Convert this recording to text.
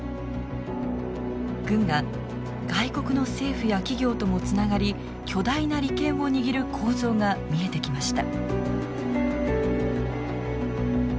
軍が外国の政府や企業ともつながり巨大な利権を握る構造が見えてきました。